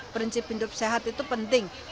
prinsip hidup sehat itu penting